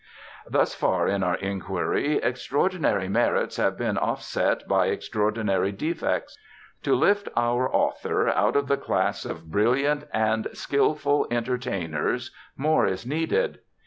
Thus far in our inquiry extraordinary merits have been offset by extraordinary defects. To lift our author out of the class of brilliant and skilful entertainers, more is needed.